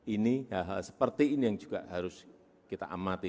ini hal hal seperti ini yang juga harus kita amati